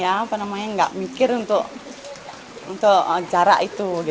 jadi jika ada jarak jauh kita gak mikir untuk jarak itu